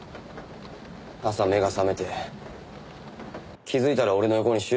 朝目が覚めて気づいたら俺の横に朱子がいて。